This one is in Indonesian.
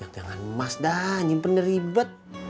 jangan emas dah nyimpen dari ibad